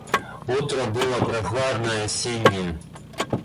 Утро было прохладное, осеннее.